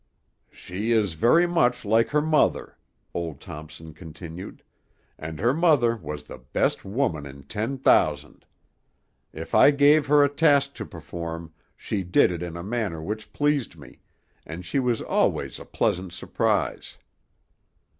"She is very much like her mother," old Thompson continued, "and her mother was the best woman in ten thousand. If I gave her a task to perform, she did it in a manner which pleased me, and she was always a pleasant surprise.